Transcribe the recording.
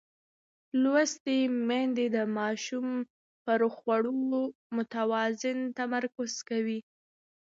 لوستې میندې د ماشوم پر خوړو متوازن تمرکز کوي.